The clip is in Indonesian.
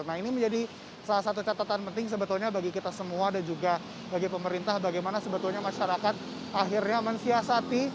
nah ini menjadi salah satu catatan penting sebetulnya bagi kita semua dan juga bagi pemerintah bagaimana sebetulnya masyarakat akhirnya mensiasati